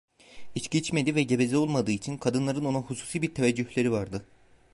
İçki içmediği ve geveze olmadığı için, kadınların ona hususi bir teveccühleri vardı.